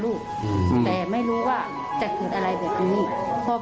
ลูกก็ได้แค่คิดถึงว่าคิดถึงหน้าเขาตลอดเวลาเลย